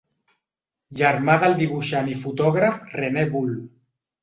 Germà del dibuixant i fotògraf René Bull.